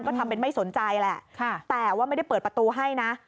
ก็ทำเป็นไม่สนใจแหละแต่ว่าไม่ได้เปิดประตูให้นะ